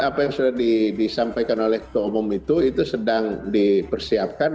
apa yang sudah disampaikan oleh ketua umum itu itu sedang dipersiapkan